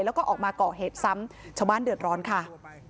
แล้วก็ออกมาก่อเหตุซ้ำชาวบ้านเดือดร้อนค่ะ